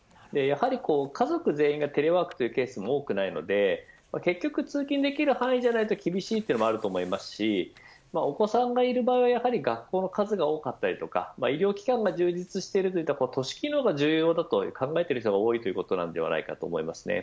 やはり、家族全員がテレワークというケースも多くないので結局、通勤できる範囲でないと厳しいというのもあると思いますしお子さんがいる場合はやはり学校の数が多かったり医療機関が充実しているといった都市機能が充実していることが大切だと考える人が多いと思います。